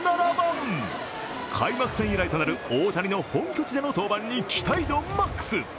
開幕戦以来となる大谷の本拠地での登板に期待度マックス。